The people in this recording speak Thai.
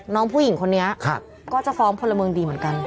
น้องผู้หญิงคนนี้ก็จะฟ้องพลเมืองดีเหมือนกัน